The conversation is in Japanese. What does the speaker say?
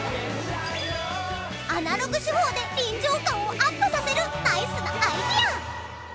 アナログ手法で臨場感をアップさせるナイスなアイデア！